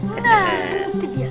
nah belum tidur